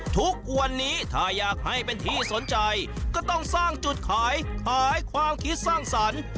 ทุกวันนี้ถ้าอยากให้เป็นที่สนใจก็ต้องสร้างจุดขายขายความคิดสร้างสรรค์